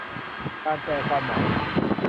การแปลความหมาย